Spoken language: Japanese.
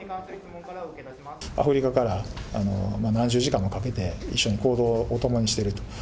アフリカから何十時間もかけて、一緒に行動を共にしていると。